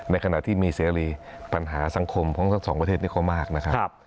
ขณะที่มีเสรีปัญหาสังคมของทั้งสองประเทศนี้ก็มากนะครับ